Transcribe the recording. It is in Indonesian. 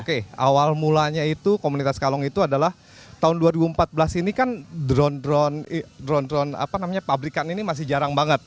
oke awal mulanya itu komunitas kalong itu adalah tahun dua ribu empat belas ini kan drone drone apa namanya pabrikan ini masih jarang banget